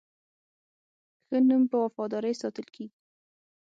ښه نوم په وفادارۍ ساتل کېږي.